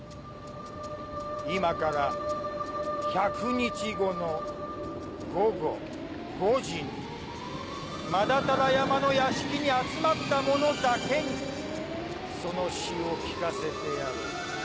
今から１００日後の午後５時にマダタラ山の屋敷に集まった者だけにその詩を聞かせてやろう。